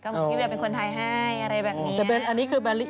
พี่เวียเป็นคนไทยให้อะไรแบบนี้